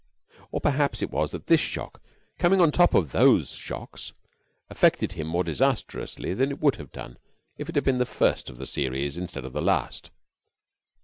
Or perhaps it was that this shock, coming on top of those shocks, affected him more disastrously than it would have done if it had been the first of the series instead of the last.